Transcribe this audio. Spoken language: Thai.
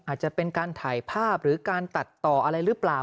อาจจะเป็นการถ่ายภาพหรือการตัดต่ออะไรหรือเปล่า